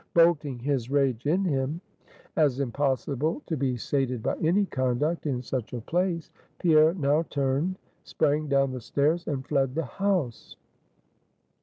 Bolting his rage in him, as impossible to be sated by any conduct, in such a place, Pierre now turned, sprang down the stairs, and fled the house.